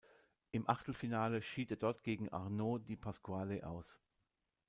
Im Achtelfinale schied er dort gegen Arnaud Di Pasquale aus.